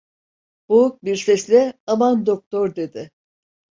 Boğuk bir sesle: "Aman doktor!" dedi.